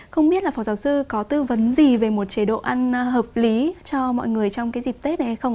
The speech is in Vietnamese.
không biết là phó giáo sư có tư vấn gì về một chế độ ăn hợp lý cho mọi người trong cái dịp tết này hay không